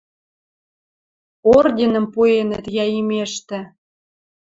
Орденӹм пуэнӹт йӓ имештӹ.